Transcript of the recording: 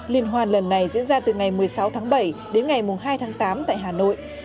liên hoan lần này diễn ra từ ngày một mươi sáu tháng bảy đến ngày hai tháng tám tại hà nội